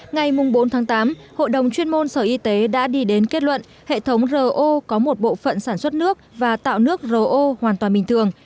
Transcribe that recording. ngày bốn tháng tám hội đồng chuyên môn sở y tế đã đi đến kết luận hệ thống ro có một bộ phận sản xuất nước và tạo nước ro hoàn toàn bình thường